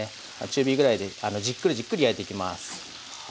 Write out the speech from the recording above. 中火ぐらいでじっくりじっくり焼いていきます。